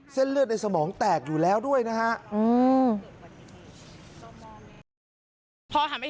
เส้นเลือดในสมองแตกอยู่แล้วด้วยนะฮะ